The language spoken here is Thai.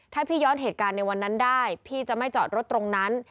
ถ้าพี่ย้อนเหตุการณ์ในวันนั้นได้พี่จะไม่จอดรถตรงนั้น